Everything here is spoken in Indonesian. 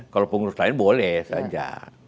kalau pengurus lain boleh saja